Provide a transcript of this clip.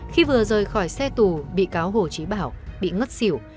khi vừa rời khỏi xe tù bị cáo hồ chí bảo bị ngất xỉu